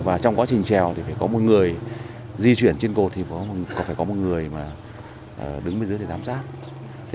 và trong quá trình chèo thì phải có một người di chuyển trên cột thì phải có một người đứng bên dưới để giám sát